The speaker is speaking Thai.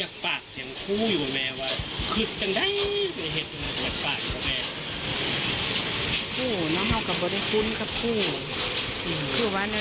อยากฝากอย่างคู่อยู่กับแม่ว่า